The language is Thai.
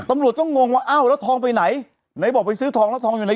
ตำรวจก็งงว่าอ้าวแล้วทองไปไหนไหนบอกไปซื้อทองแล้วทองอยู่ไหน